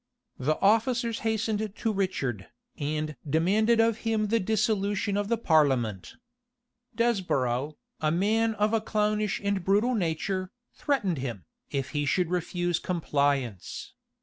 The officers hastened to Richard, and demanded of him the dissolution of the parliament. Desborow, a man of a clownish and brutal nature, threatened him, if he should refuse compliance.